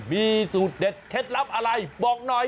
มีสูตรเด็ดเคล็ดลับอะไรบอกหน่อย